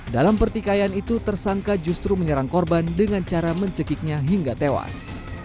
dalam pertikaian itu tersangka justru menyerang korban dengan cara mencekiknya hingga tewas